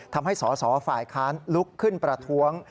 ทำให้สอสอฝ่ายค้านลุกขึ้นประท้วง